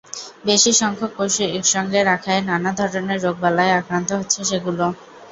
বেশি সংখ্যক পশু একসঙ্গে রাখায় নানা ধরনের রোগবালাইয়ে আক্রান্ত হচ্ছে সেগুলো।